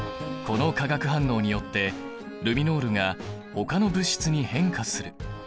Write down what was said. この化学反応によってルミノールがほかの物質に変化する。